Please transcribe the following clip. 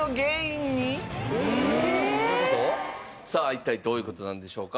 一体どういう事なんでしょうか。